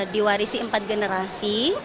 diwarisi empat generasi